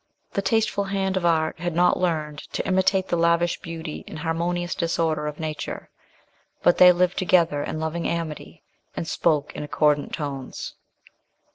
The tasteful hand of art had not learned to imitate the lavish beauty and harmonious disorder of nature, but they lived together in loving amity, and spoke in accordant tones.